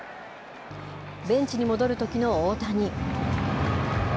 ベンチに戻るときの大谷。